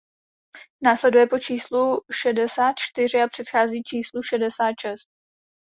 Následuje po číslu šedesát čtyři a předchází číslu šedesát šest.